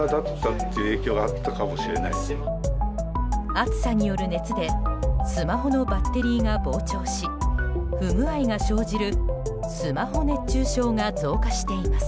暑さによる熱でスマホのバッテリーが膨張し不具合が生じるスマホ熱中症が増加しています。